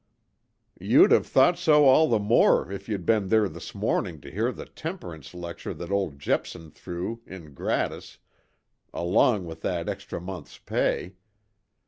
"You'd have thought so all the more if you'd been there this morning to hear the temperance lecture that old Jepson threw in gratis along with that extra month's pay.